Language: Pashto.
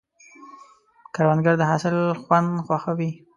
کروندګر د حاصل خوند خوښوي